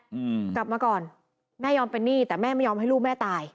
อืมกลับมาก่อนแม่ยอมเป็นหนี้แต่แม่ไม่ยอมให้ลูกแม่ตาย